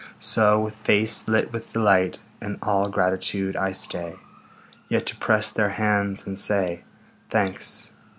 So, with face lit with delight And all gratitude, I stay Yet to press their hands and say, "Thanks.